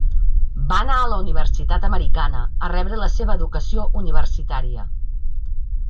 Va anar a la Universitat Americana a rebre la seva educació universitària.